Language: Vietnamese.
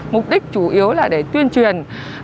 mục đích chủ yếu là để tuyên truyền